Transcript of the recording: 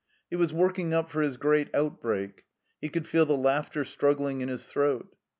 He was working up for his great outbreak. He could fed the laugh ter struggling in his throat.